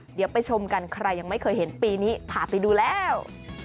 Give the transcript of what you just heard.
เดี๋ยวไปชมกันใครยังไม่เคยเห็นปีนี้พาไปดูแล้ว